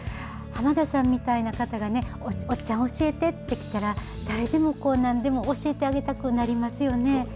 濱田さんみたいな方がね、おっちゃん、教えてってきたら、誰でも、なんでも教えてあげたくなりますよね。